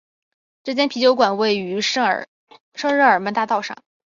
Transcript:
这间啤酒馆位于圣日耳曼大道上。